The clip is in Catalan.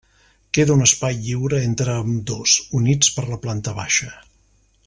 Queda un espai lliure entre ambdós; units per la planta baixa.